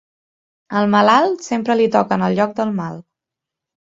Al malalt, sempre li toquen el lloc del mal.